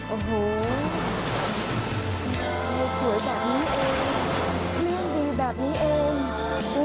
โอ้โหดูสวยแบบนี้เองเรื่องดีแบบนี้เอง